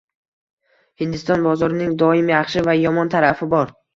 Hindiston bozorining doim yaxshi va yomon tarafi bor.